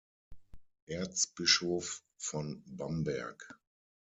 Erzbischof von Bamberg.